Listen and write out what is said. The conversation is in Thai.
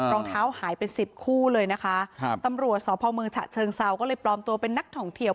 รองเท้าหายเป็นสิบคู่เลยนะคะครับตำรวจสพเมืองฉะเชิงเซาก็เลยปลอมตัวเป็นนักท่องเที่ยว